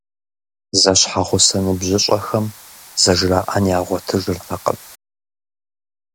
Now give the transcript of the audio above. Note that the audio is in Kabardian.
Зэщхьэгъусэ ныбжьыщӏэхэм зэжраӏэн ягъуэтыжыртэкъым.